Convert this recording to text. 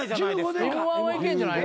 Ｍ−１はいけんじゃない？